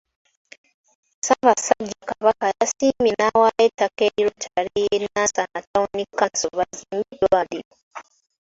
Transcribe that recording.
Ssaabasajja Kabaka yasiimye n'awaayo ettaka eri Rotary y'e Nansana Ttawuni kkanso bazimbeko eddwaliro.